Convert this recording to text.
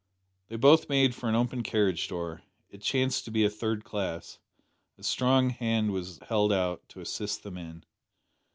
They both made for an open carriage door. It chanced to be a third class. A strong hand was held out to assist them in.